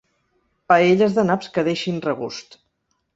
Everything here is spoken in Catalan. Paelles de naps que deixin regust.